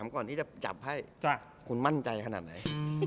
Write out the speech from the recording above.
ก่อนที่จะจับให้คุณมั่นใจขนาดไหน